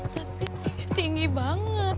tapi tinggi banget